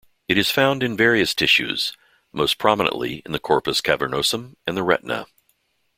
It is found in various tissues, most prominently the corpus cavernosum and the retina.